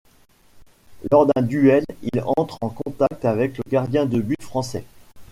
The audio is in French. Lors d'un duel, il entre en contact avec le gardien de but français.